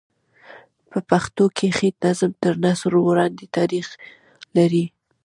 په پښتو کښي نظم تر نثر وړاندي تاریخ لري.